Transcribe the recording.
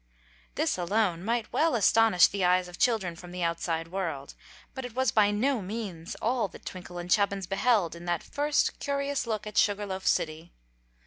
This alone might well astonish the eyes of children from the outside world, but it was by no means all that Twinkle and Chubbins beheld in that first curious look at Sugar Loaf City.